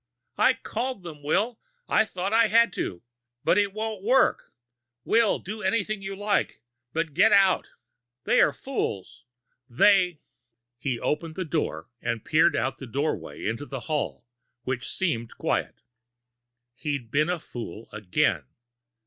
"I called them, Will. I thought I had to. But it won't work. Will, do anything you like, but get out! They are fools. They...." He opened the door and peered out the doorway into the hall, which seemed quiet. He'd been a fool again.